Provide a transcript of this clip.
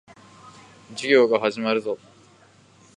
授業が始まるぞ。